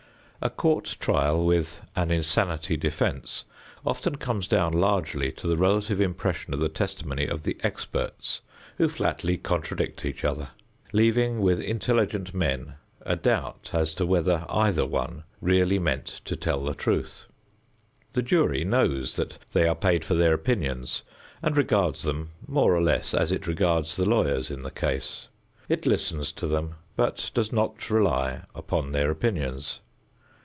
A court trial with an insanity defense often comes down largely to the relative impression of the testimony of the experts who flatly contradict each other, leaving with intelligent men a doubt as to whether either one really meant to tell the truth. The jury knows that they are paid for their opinions and regards them more or less as it regards the lawyers in the case. It listens to them but does not rely upon their opinions.